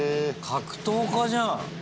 格闘家じゃん。